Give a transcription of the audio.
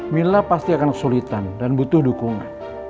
mila pasti akan kesulitan dan butuh dukungan